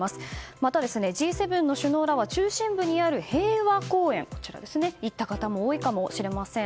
また、Ｇ７の首脳らは中心部にある平和公園行った方も多いかもしれません。